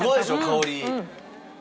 香り。